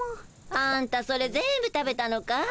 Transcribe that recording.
アンタそれ全部食べたのかい？